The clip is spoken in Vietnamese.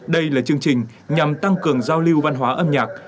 đây là chương trình nhằm tăng cường giao lưu văn hóa âm nhạc